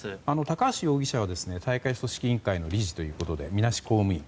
高橋容疑者は大会組織委員会の理事ということでみなし公務員。